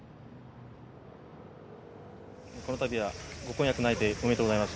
このたびはご婚約内定、おめでとうございます。